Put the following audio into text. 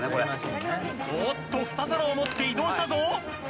おっと２皿を持って移動したぞ！